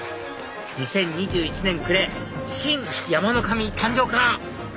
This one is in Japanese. ２０２１年暮れ新山の神誕生か⁉